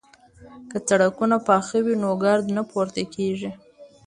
که سړکونه پاخه وي نو ګرد نه پورته کیږي.